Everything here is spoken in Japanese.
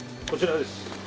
こちらです。